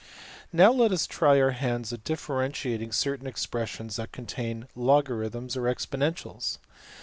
}\Pagelabel{expolo} Now let us try our hands at differentiating certain expressions that contain logarithms or exponentials.